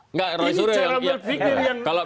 ini cara berpikir yang menolak